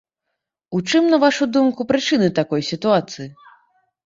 У чым, на вашу думку, прычыны такой сітуацыі?